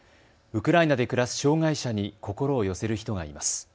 ウクライナで暮らす障害者に心を寄せる人がいます。